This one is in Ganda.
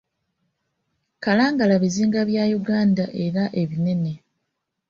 Kalangala bizinga bya Uganda era binene.